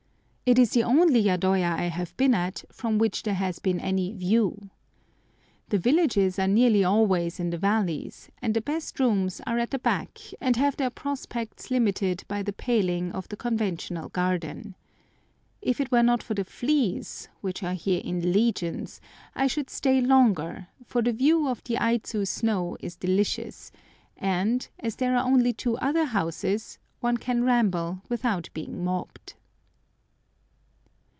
It is the only yadoya I have been at from which there has been any view. The villages are nearly always in the valleys, and the best rooms are at the back, and have their prospects limited by the paling of the conventional garden. If it were not for the fleas, which are here in legions, I should stay longer, for the view of the Aidzu snow is delicious, and, as there are only two other houses, one can ramble without being mobbed.